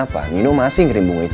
dan nunggu lima belas jijik